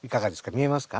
見えますか？